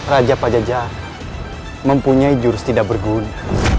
raja pajajar mempunyai jurus tidak berguna